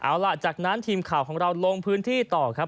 เอาล่ะจากนั้นทีมข่าวของเราลงพื้นที่ต่อครับ